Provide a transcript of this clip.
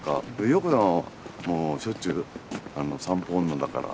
陽子さんはもうしょっちゅう散歩女だから。